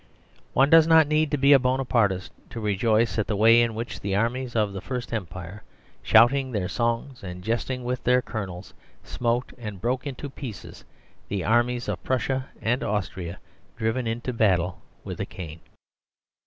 One does not need to be a Bonapartist to rejoice at the way in which the armies of the First Empire, shouting their songs and jesting with their colonels, smote and broke into pieces the armies of Prussia and Austria driven into battle with a cane.